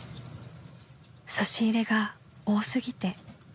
［差し入れが多過ぎて］